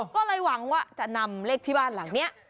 ก็เลยหวังว่าจะนำเลขที่บ้านหลังนี้